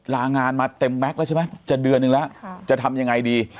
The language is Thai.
ลางานมาเต็มแม็กซ์แล้วใช่ไหมจะเดือนหนึ่งแล้วจะทำยังไงดี